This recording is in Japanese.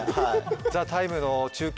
「ＴＨＥＴＩＭＥ，」の中継